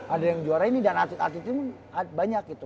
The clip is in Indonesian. ada yang juara ini dan artis artis itu banyak gitu